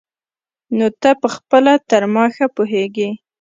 نو ته پخپله تر ما ښه پوهېږي.